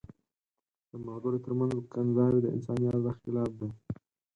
د ملګرو تر منځ کنځاوي د انساني ارزښت خلاف دي.